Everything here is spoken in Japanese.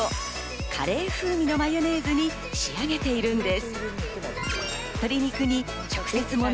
カレー風味のマヨネーズに仕上げているんです。